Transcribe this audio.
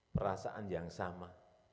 perasaan yang sama